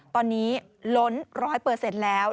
ตอนนี้ล้น๑๐๐เปิดเซ็นต์แล้ว